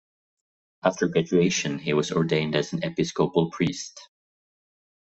After graduation, he was ordained as an Episcopal priest.